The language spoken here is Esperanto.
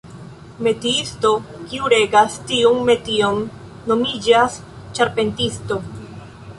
Metiisto, kiu regas tiun metion, nomiĝas ĉarpentisto.